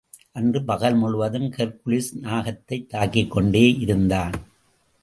அன்று பகல் முழுதும் ஹெர்க்குலிஸ் நாகத்தைத் தாக்கிக்கொண்டேயிருந்தான்.